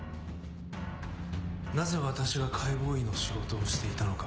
なぜ私が解剖医の仕事をしていたのか。